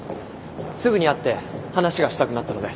すぐに会って話がしたくなったので。